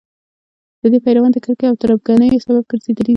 د دین پیروانو د کرکې او تربګنیو سبب ګرځېدلي دي.